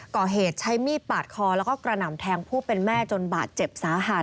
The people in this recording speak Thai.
ก่อเหตุใช้มีดปาดคอแล้วก็กระหน่ำแทงผู้เป็นแม่จนบาดเจ็บสาหัส